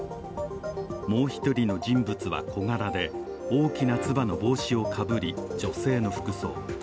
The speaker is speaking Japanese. もう１人の人物は小柄で大きなつばの帽子をかぶり、女性の服装。